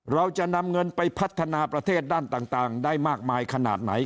เราจะนำเงินไปพัฒนาประเทศด้านต่างได้มากมายขนาดไหน